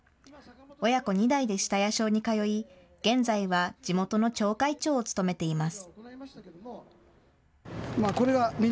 親子２代で下谷小に通い、現在は地元の町会長を務めています。